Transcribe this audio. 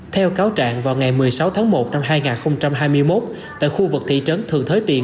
theo cáo trạng vào ngày một mươi sáu tháng một năm hai nghìn hai mươi một tại khu vực thị trấn thường thới tiền